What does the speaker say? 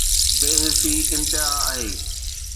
بي حسي انتها آهي.